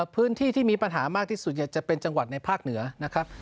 พื้นที่ที่มีปัญหามากที่สุดจะเป็นจังหวัดในภาคเหนือนะครับ